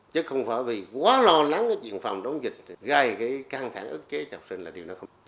chứ không phải vì quá lo lắng cái chuyện phòng chống dịch gây cái căng thẳng ức chế trọng sinh là điều đó không